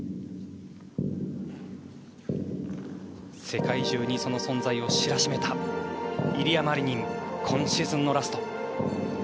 世界中にその存在を知らしめたイリア・マリニン今シーズンのラスト。